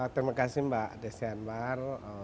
terima kasih mbak desyan bar